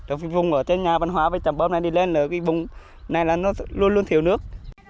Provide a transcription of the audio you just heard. ở trên nhà văn hóa với trạm bơm này đi lên là cái vùng này là nó luôn luôn thiếu nước